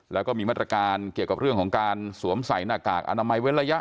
แล้วก็มีมาตรการเกี่ยวกับเรื่องของการสวมใส่หน้ากากอนามัยเว้นระยะ